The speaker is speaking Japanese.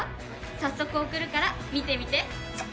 早速送るから見てみて！